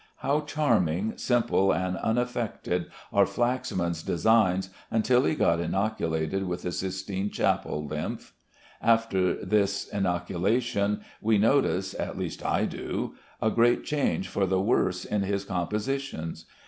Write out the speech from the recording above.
How charming, simple, and unaffected are Flaxman's designs until he got inoculated with the Sistine Chapel lymph! After this inoculation we notice (at least I do) a great change for the worse in his compositions.